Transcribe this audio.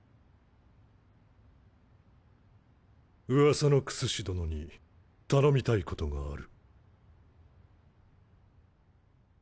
噂の薬師殿に頼みたいことがある。